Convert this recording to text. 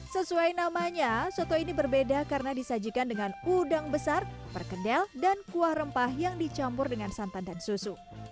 sesuai namanya soto ini berbeda karena disajikan dengan udang besar perkedel dan kuah rempah yang dicampur dengan santan dan susu